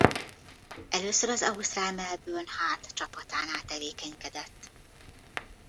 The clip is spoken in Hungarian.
Először az ausztrál Melbourne Heart csapatánál tevékenykedett.